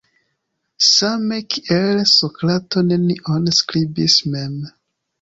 Same kiel Sokrato nenion skribis mem.